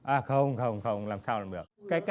à không không không làm sao làm được